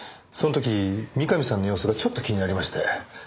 その時三上さんの様子がちょっと気になりまして。